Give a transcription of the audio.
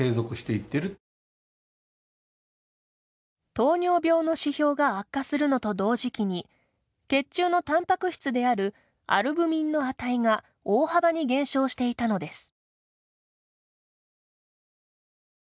糖尿病の指標が悪化するのと同時期に血中のたんぱく質であるアルブミンの値が大幅に減少していたのです。